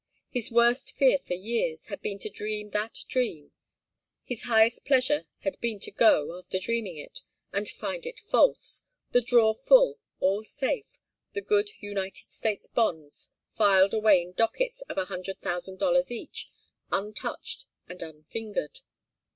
His worst fear for years had been to dream that dream his highest pleasure had been to go, after dreaming it, and find it false, the drawer full, all safe, the good United States Bonds filed away in dockets of a hundred thousand dollars each, untouched and unfingered.